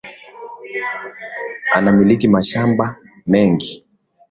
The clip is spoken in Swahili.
Anamiliki mashamba mengi